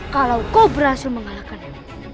kalau kau berhasil mengalahkan dia